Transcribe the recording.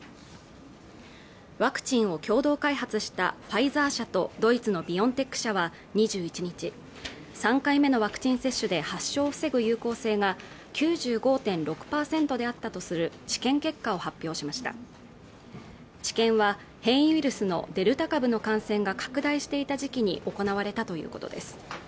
ワクチンを共同開発したファイザー社とドイツのビオンテック社は２１日３回目のワクチン接種で発症を防ぐ有効性が９５．６％であったとする治験結果を発表しました治験は変異ウイルスのデルタ株の感染が拡大していた時期に行われたということです